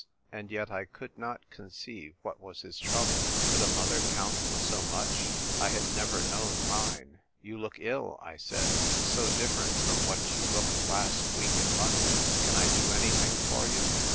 And yet I could not conceive what was his trouble. Could a mother count for so much ? I had never known mine. " You look ill," I said ;" so different from what you looked last week in London. Can I do anything for you